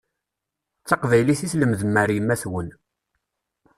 D taqbaylit i tlemdem ar yemma-twen.